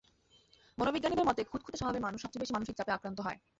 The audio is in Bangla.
মনোবিজ্ঞানীদের মতে, খুঁতখুঁতে স্বভাবের মানুষ সবচেয়ে বেশি মানসিক চাপে আক্রান্ত হয়।